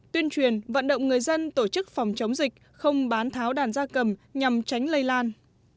tuyên truyền vận động người dân tổ chức phòng chống dịch không bán tháo đàn gia cầm nhằm tránh lây lan